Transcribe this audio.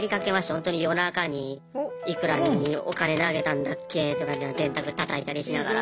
ほんとに夜中に幾らお金投げたんだっけとかって電卓たたいたりしながら。